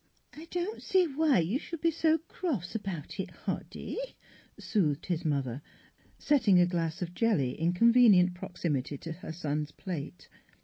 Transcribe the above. " I don't see why you should be so cross about it, Hoddy," soothed his mother, setting a glass of jelly in convenient proximity to her son's plate.